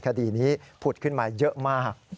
คดีนี้ผุดขึ้นมาเยอะมาก